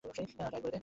Dial করে দে!